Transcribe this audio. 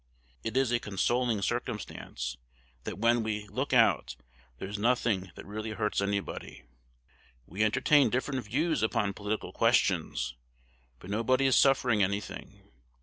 It is a consoling circumstance, that when we look out there is nothing that really hurts anybody. We entertain different views upon political questions; but nobody is suffering any thing.